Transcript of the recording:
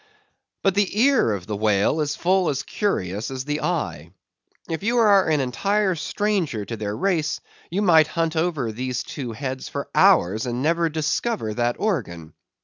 But the ear of the whale is full as curious as the eye. If you are an entire stranger to their race, you might hunt over these two heads for hours, and never discover that organ.